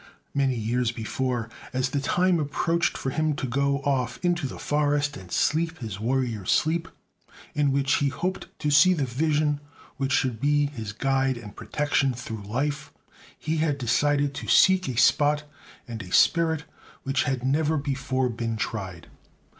Many years before, as the time approached for him to go off into the forest and sleep his warrior sleep, in which he hoped to see the vision which should be his guide and protection through life, he had decided to seek a spot and a spirit which had never before been tried.